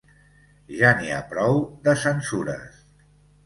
Ja n’hi ha prou, de censures.